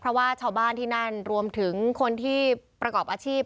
เพราะว่าชาวบ้านที่นั่นรวมถึงคนที่ประกอบอาชีพ